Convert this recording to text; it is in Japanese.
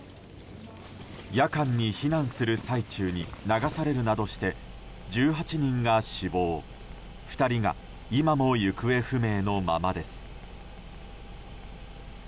夜間に避難する最中に流されるなどして１８人が死亡２人が今も行方不明のままです。